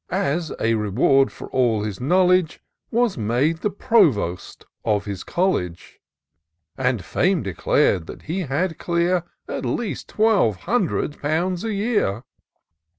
As a reward for all his knowledge. Was made the Provost of his College; And &me declared that he had clear At least twelve hundred pounds a year.